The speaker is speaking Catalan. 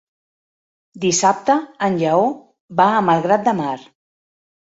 Dissabte en Lleó va a Malgrat de Mar.